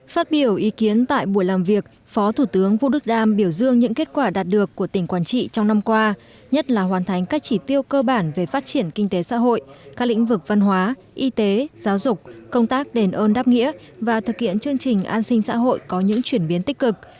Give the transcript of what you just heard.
phát biểu ý kiến tại buổi làm việc phó thủ tướng vũ đức đam biểu dương những kết quả đạt được của tỉnh quảng trị trong năm qua nhất là hoàn thành các chỉ tiêu cơ bản về phát triển kinh tế xã hội các lĩnh vực văn hóa y tế giáo dục công tác đền ơn đáp nghĩa và thực hiện chương trình an sinh xã hội có những chuyển biến tích cực